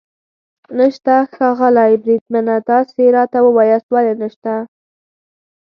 نشته؟ ښاغلی بریدمنه، تاسې راته ووایاست ولې نشته.